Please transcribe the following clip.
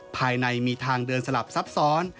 ภายในมีทางเดินสลับซับซ้อน